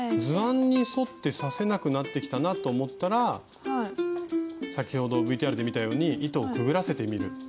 図案に沿って刺せなくなってきたなと思ったら先ほどＶＴＲで見たように糸をくぐらせてみる。